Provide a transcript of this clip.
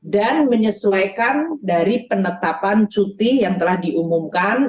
dan menyesuaikan dari penetapan cuti yang telah diumumkan